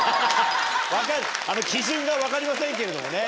基準が分かりませんけれどもね。